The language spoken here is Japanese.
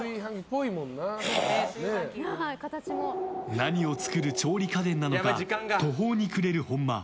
何を作る調理家電なのか途方に暮れる本間。